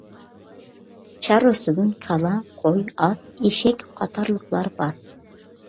چارۋىسىدىن كالا، قوي، ئات، ئېشەك قاتارلىقلار بار.